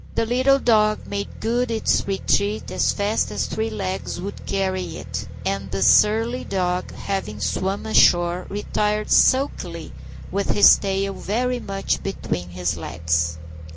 The little dog made good its retreat as fast as three legs would carry it; and the surly dog, having swum ashore, retired sulkily, with his tail very much between his legs.